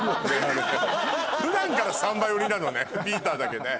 普段からサンバ寄りなのねＰＩＥＴＥＲだけね。